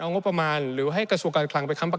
ในช่วงที่สุดในรอบ๑๖ปี